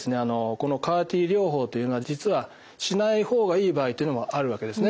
このＣＡＲ−Ｔ療法というのは実はしない方がいい場合というのもあるわけですね